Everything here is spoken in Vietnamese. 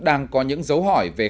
đảng có những dấu hỏi về tài xế